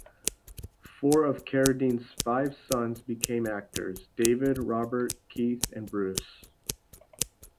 Four of Carradine's five sons became actors: David, Robert, Keith, and Bruce.